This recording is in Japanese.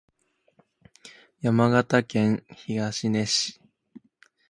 山形県東根市